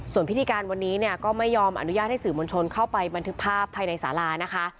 ส่วนพิธีการวันนี้เนี่ยก็ไม่ยอมอนุญาตให้สื่อมวลชนเข้าไปบันทึกภาพภายในสารานะคะ